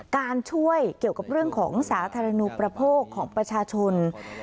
การช่วยเกี่ยวกับเรื่องของสาธารณูประโภคของประชาชน